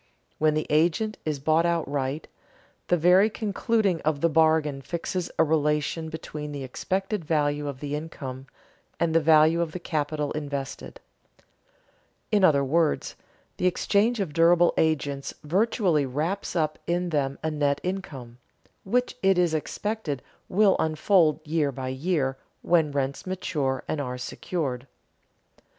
When the agent is bought outright, the very concluding of the bargain fixes a relation between the expected value of the income and the value of the capital invested. In other words, the exchange of durable agents virtually wraps up in them a net income, which it is expected will unfold year by year when rents mature and are secured.